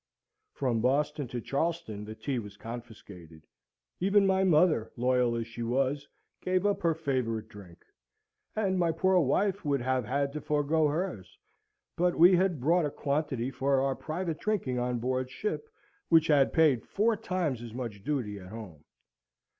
From Boston to Charleston the tea was confiscated. Even my mother, loyal as she was, gave up her favourite drink; and my poor wife would have had to forgo hers, but we had brought a quantity for our private drinking on board ship, which had paid four times as much duty at home.